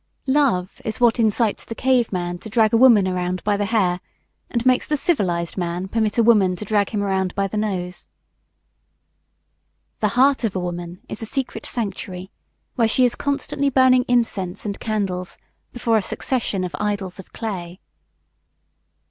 Love is what incites the caveman to drag a woman around by the hair and makes the civilized man permit a woman to drag him around by the nose. The heart of a woman is a secret sanctuary where she is constantly burning incense and candles before a succession of idols of clay.